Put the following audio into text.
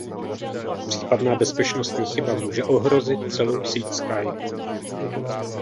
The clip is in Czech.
Případná bezpečnostní chyba může ohrozit celou síť Skype.